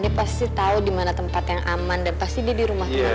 dia pasti tau dimana tempat yang aman dan pasti dia di rumah tempat